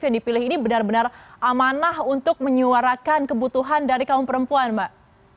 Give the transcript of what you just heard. yang dipilih ini benar benar amanah untuk menyuarakan kebutuhan dari kaum perempuan mbak